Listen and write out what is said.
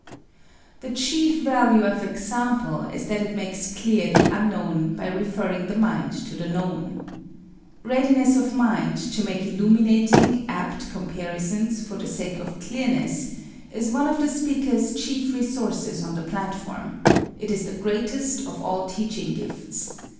The chief value of example is that it makes clear the unknown by referring the mind to the known. Readiness of mind to make illuminating, apt comparisons for the sake of clearness is one of the speaker's chief resources on the platform it is the greatest of all teaching gifts.